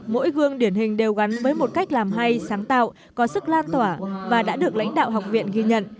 mỗi gương điển hình đều gắn với một cách làm hay sáng tạo có sức lan tỏa và đã được lãnh đạo học viện ghi nhận